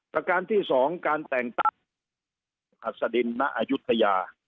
ประการที่๒การแต่งตั้งหัศดินณอายุทยา